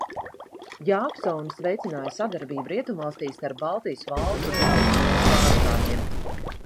Jāksons veicināja sadarbību Rietumvalstīs starp Baltijas valstu diplomātijas pārstāvjiem.